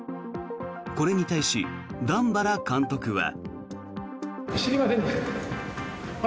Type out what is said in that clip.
これに対し、段原監督は。